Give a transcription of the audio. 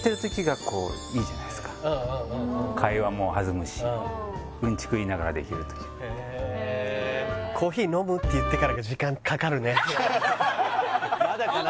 っつってうんうんうんうん会話も弾むしうんちく言いながらできるという「コーヒー飲む？」って言ってからが時間かかるねまだかな？